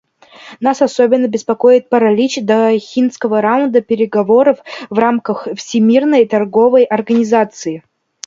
Нас особенно беспокоит паралич Дохинского раунда переговоров в рамках Всемирной торговой организации.